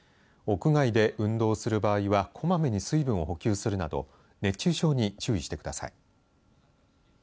屋外で運動する場合はこまめに水分を補給するなど熱中症に注意してください。